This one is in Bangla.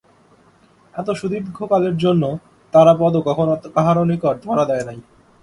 এত সুদীর্ঘকালের জন্য তারাপদ কখনো কাহারো নিকট ধরা দেয় নাই।